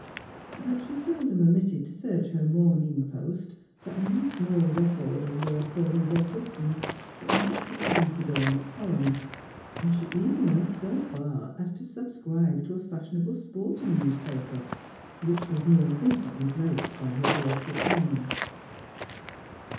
But she seldom omitted to search her Morning Post for any small record of Lord Paulyn's existence that might perchance adorn its columns, and she even went so far as to subscribe to a fashionable sporting newspaper which was more frequently graced by his lordship'a name.